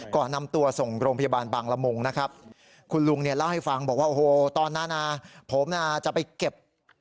ก่อนนำตัวส่งโรงพยาบาลบางละมุงนะครับ